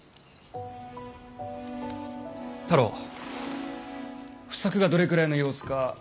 太郎不作がどれくらいの様子か